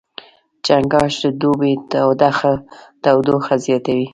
چنګاښ د دوبي تودوخه زیاتوي.